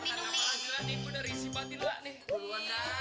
mau kasih obat biar alis tambah dingkring begitu